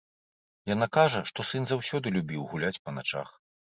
Яна кажа, што сын заўсёды любіў гуляць па начах.